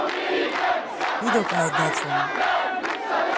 dido ǩai datzonu.